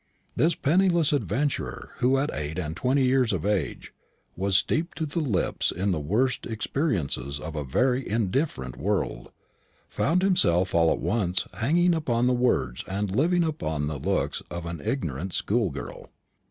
This penniless adventurer, who at eight and twenty years of age was steeped to the lips in the worst experiences of a very indifferent world, found himself all at once hanging upon the words and living upon the looks of an ignorant schoolgirl.